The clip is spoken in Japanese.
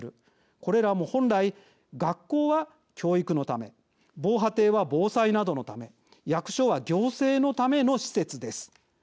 これらも本来学校は教育のため防波堤は防災などのため役所は行政のための施設です。